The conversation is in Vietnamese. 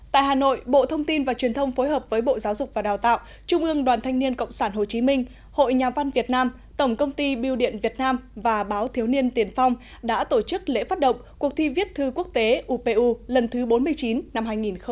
tại hà nội bộ thông tin và truyền thông phối hợp với bộ giáo dục và đào tạo trung ương đoàn thanh niên cộng sản hồ chí minh hội nhà văn việt nam tổng công ty biêu điện việt nam và báo thiếu niên tiền phong đã tổ chức lễ phát động cuộc thi viết thư quốc tế upu lần thứ bốn mươi chín năm hai nghìn một mươi chín